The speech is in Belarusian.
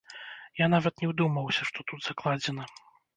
Я нават не ўдумваўся, што тут закладзена.